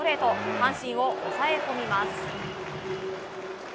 阪神を抑え込みます。